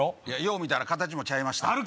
いやよう見たら形もちゃいました